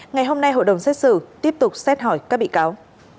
ngày hôm nay hội đồng xét xử tiếp tục xét hỏi các bị cáo